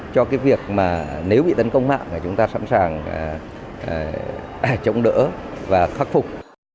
cho cái việc mà nếu bị tấn công mạng là chúng ta sẵn sàng chống đỡ và khắc phục